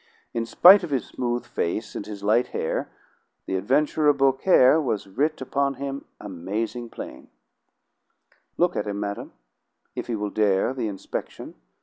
In spite of his smooth face and his light hair, the adventurer Beaucaire was writ upon him amazing plain. Look at him, madam, if he will dare the inspection.